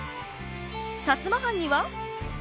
摩藩には。